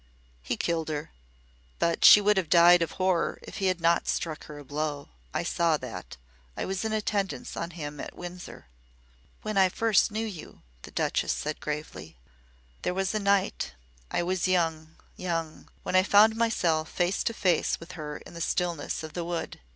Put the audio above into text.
"He killed her. But she would have died of horror if he had not struck her a blow. I saw that. I was in attendance on him at Windsor." "When I first knew you," the Duchess said gravely. "There was a night I was young young when I found myself face to face with her in the stillness of the wood.